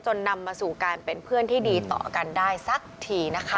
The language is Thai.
นำมาสู่การเป็นเพื่อนที่ดีต่อกันได้สักทีนะคะ